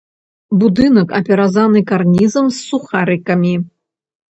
Будынак апяразаны карнізам з сухарыкамі.